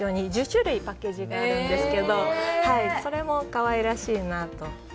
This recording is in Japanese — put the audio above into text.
１０種類パッケージがあるんですけどそれも可愛らしいなと。